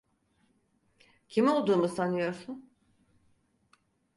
Kim olduğumu sanıyorsun?